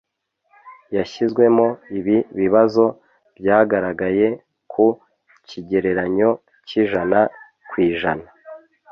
yashyizwemo ibi bibazo byagaragaye ku kigereranyo cyijana kwijana